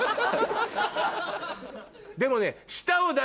でもね。